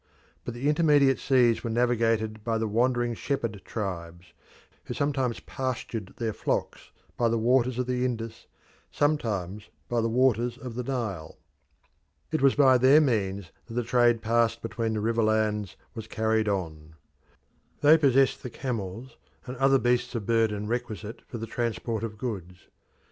But the intermediate seas were navigated by the wandering shepherd tribes, who sometimes pastured their flocks by the waters of the Indus, sometimes by the waters of the Nile. It was by their means that the trade between the river lands was carried on. They possessed the camels and other beasts of burden requisite for the transport of goods.